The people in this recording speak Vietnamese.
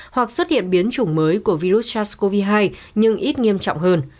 hoặc xuất hiện biến chủng mới của virus sars cov hai nhưng ít nghiêm trọng hơn